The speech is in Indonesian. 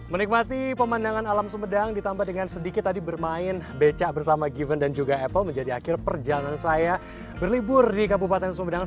menikmati pemandangan alam sumedang ditambah dengan sedikit tadi bermain beca bersama given dan juga apple menjadi akhir perjalanan saya berlibur di kabupaten sumedang